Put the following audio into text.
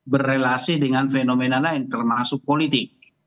berrelasi dengan fenomena lain termasuk politik